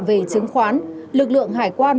về chứng khoán lực lượng hải quan